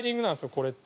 これって。